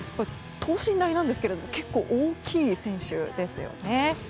等身大なんですけども結構、大きい選手ですよね。